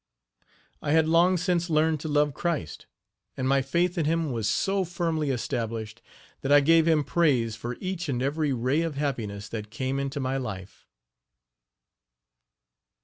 I had long since learned to love Christ, and my faith in him was so firmly established that I gave him praise for each and every ray of happiness that came into my life.